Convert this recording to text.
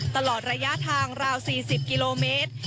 ตลอดระยะทางราว๔๐กิโลเมตร